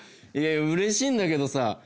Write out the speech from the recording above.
いやうれしいんだけどさ